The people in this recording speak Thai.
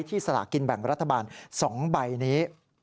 ที่สลากกินแบ่งรัฐบาลสองใบนี้